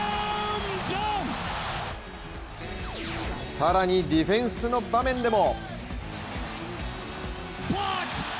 更にディフェンスの場面でも。